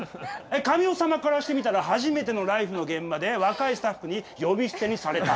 神尾様からしてみたら初めての「ＬＩＦＥ！」の現場で若いスタッフに呼び捨てにされた。